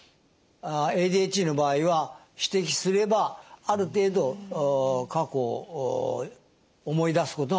ＡＤＨＤの場合は指摘すればある程度過去を思い出すことができます。